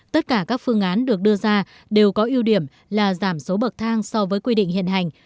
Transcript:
tất cả các phương án được đưa ra đều có ưu điểm là giảm số bậc thang so với quy định hiện hành